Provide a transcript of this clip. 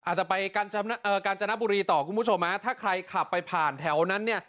อาจจะไปกาญจนบุรีต่อคุณผู้ชมฮะถ้าใครขับไปผ่านแถวนั้นเนี่ย